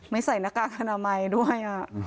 ใส่หน้ากากอนามัยด้วย